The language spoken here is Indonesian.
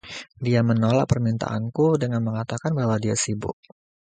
Dia menolak permintaanku dengan mengatakan bahwa dia sibuk.